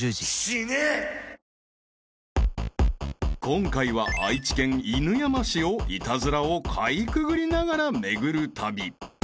［今回は愛知県犬山市をイタズラをかいくぐりながら巡る旅］